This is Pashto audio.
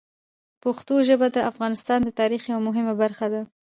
پښتو ژبه د افغانستان د تاریخ یوه مهمه برخه ده.